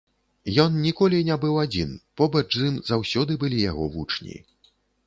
Ён ніколі не быў адзін, побач з ім заўсёды былі яго вучні.